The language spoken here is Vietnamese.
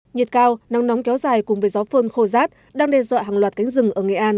nhiệt cao nắng nóng kéo dài cùng với gió phơn khô rát đang đe dọa hàng loạt cánh rừng ở nghệ an